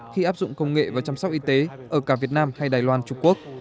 khi áp dụng công nghệ và chăm sóc y tế ở cả việt nam hay đài loan trung quốc